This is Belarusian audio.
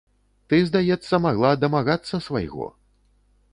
Ты, здаецца, магла дамагацца свайго.